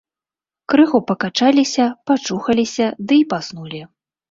Крыху пакачаліся, пачухаліся ды і паснулі.